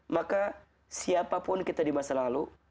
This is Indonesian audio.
maka siapapun kita di masa lalu